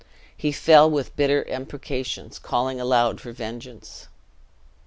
He fell with bitter imprecations, calling aloud for vengeance.